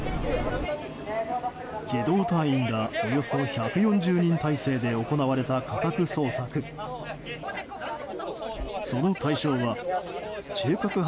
機動隊員らおよそ１４０人態勢で行われた家宅捜索。